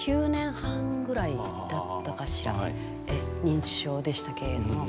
認知症でしたけれども。